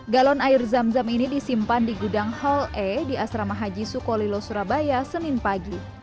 galon air zam zam ini disimpan di gudang hall e di asrama haji sukolilo surabaya senin pagi